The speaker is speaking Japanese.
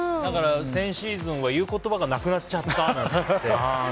先シーズンは言う言葉がなくなっちゃったなんて。